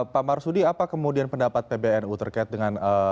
pak marsudi apa kemudian pendapat pbnu terkait dengan